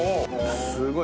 すごい。